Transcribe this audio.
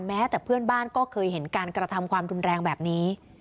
แม้แต่เพื่อนบ้านก็เคยเห็นการกระทำความรุนแรงแบบนี้